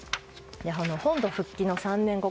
本土復帰の３年後。